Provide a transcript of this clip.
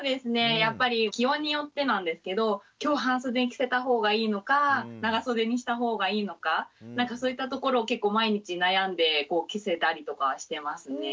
やっぱり気温によってなんですけど今日半袖着せた方がいいのか長袖にした方がいいのかそういったところを結構毎日悩んで着せたりとかはしてますね。